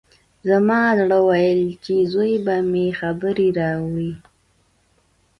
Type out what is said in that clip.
زما زړه ويل چې زوی به مې خبرې واوري.